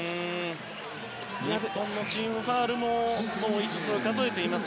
日本のチームファウルも５つを数えています。